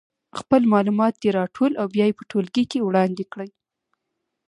خپل معلومات دې راټول او بیا یې په ټولګي کې وړاندې کړي.